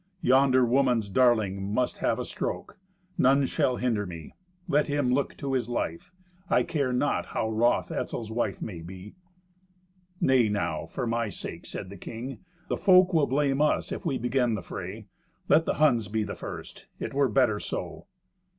Yonder woman's darling must have a stroke. None shall hinder me. Let him look to his life. I care not how wroth Etzel's wife may be." "Nay now, for my sake," said the king. "The folk will blame us if we begin the fray. Let the Huns be the first. It were better so."